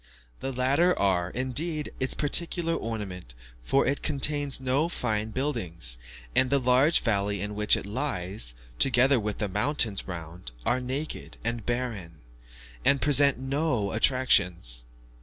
The latter are, indeed, its peculiar ornament, for it contains no fine buildings; and the large valley in which it lies, together with the mountains round, are naked and barren, and present no attractions.